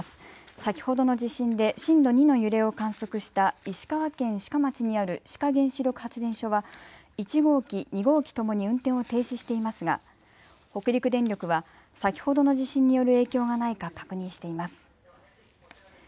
先ほどの地震で震度２の揺れを観測した石川県志賀町にある志賀原子力発電所は１号機、２号機ともに運転を停止していますが、北陸電力は先ほどの地震による影響がないか確認しています。